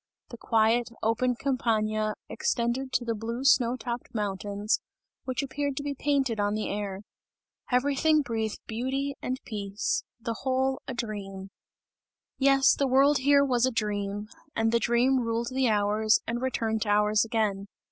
The quiet, open Campagna extended to the blue snow topped mountains, which appeared to be painted on the air. Everything breathed beauty and peace. The whole a dream! Yes, the world here was a dream, and the dream ruled the hours and returned to hours again.